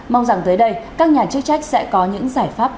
mong rằng tới đây các nhà chức trách sẽ có những giải pháp